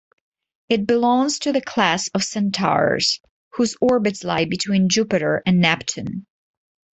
It belongs to the class of centaurs, whose orbits lie between Jupiter and Neptune.